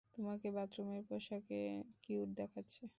তোমাকে বাথরুমের পোশাকে কিউট দেখাচ্ছে।